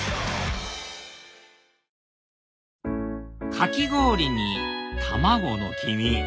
かき氷に卵の黄身